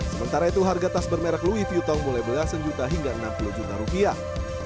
sementara itu harga tas bermerek louis viutong mulai belasan juta hingga enam puluh juta rupiah